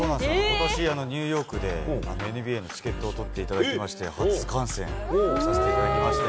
ことし、ニューヨークでＮＢＡのチケットを取っていただきまして、初観戦させていただきました。